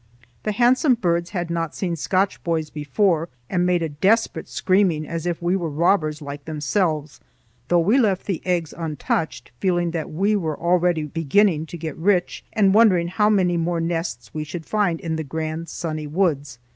The handsome birds had not seen Scotch boys before and made a desperate screaming as if we were robbers like themselves; though we left the eggs untouched, feeling that we were already beginning to get rich, and wondering how many more nests we should find in the grand sunny woods.